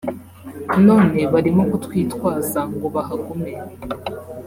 none barimo kutwitwaza ngo bahagume